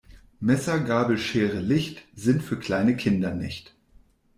Messer, Gabel, Schere, Licht, sind für kleine Kinder nicht.